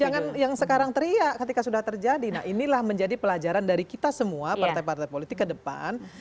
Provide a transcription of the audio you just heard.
jangan yang sekarang teriak ketika sudah terjadi nah inilah menjadi pelajaran dari kita semua partai partai politik ke depan